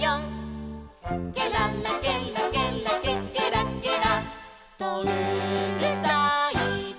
「ケララケラケラケケラケラとうるさいぞ」